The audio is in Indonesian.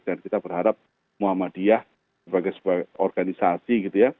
dan kita berharap muhammadiyah sebagai sebuah organisasi